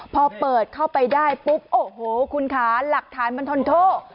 พอเปิดเข้าไปได้ปุ๊บโอ้โหคุณคะหลักฐานมันทนโทษ